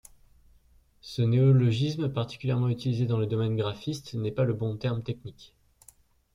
Ce néologisme, particulièrement utilisé dans le domaine graphiste, n'est pas le bon terme technique.